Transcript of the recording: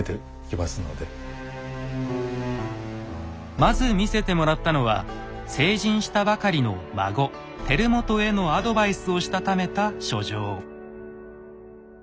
まず見せてもらったのは成人したばかりの孫輝元へのアドバイスをしたためた書状。